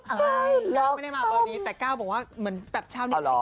เก้าไม่ได้มาตอนนี้แต่เก้าบอกว่าเหมือนแบบเช้านี้